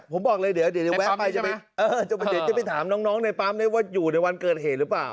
ผมบอกเลยเดี๋ยวแวะไปใช่ไหมเดี๋ยวจะไปถามน้องในปั๊มได้ว่าอยู่ในวันเกิดเหตุหรือเปล่า